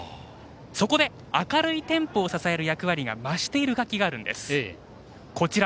そこで、明るいテンポを支える役割が増している楽器があるんです。